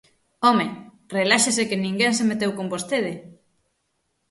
¡Home!, reláxese que ninguén se meteu con vostede.